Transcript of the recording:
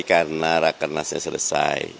karena rakan rakan saya selesai